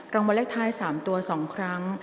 รางวัลเลขท้าย๓ตัว๒ครั้ง